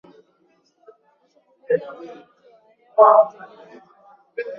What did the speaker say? kushughulikia uchafuzi wa hewa unatekelezwa